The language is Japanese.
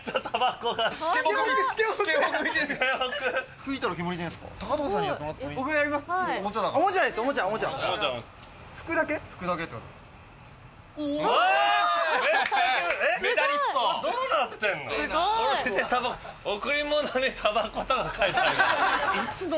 この店「贈りものにたばこ」とか書いてあるよ。